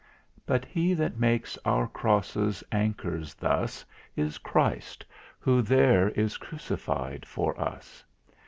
But He that makes our Crosses Anchors thus, Is Christ, who there is crucified for us.